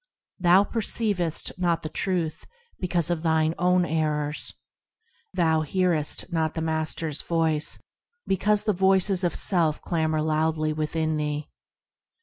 Thou perceivest not the Truth because of thine own errors; Thou hearest not the Master's Voice because the voices of self clamour loudly within thee.